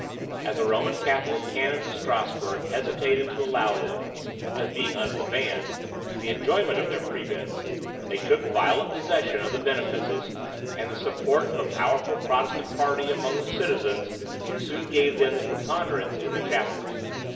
As the Roman Catholic canons of Strasburg hesitated to allow them, as being under the ban, the enjoyment of their prebends, they took violent possession of their benefices, and the support of a powerful Protestant party among the citizens soon gave them the preponderance in the chapter.